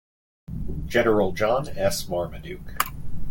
General John S. Marmaduke.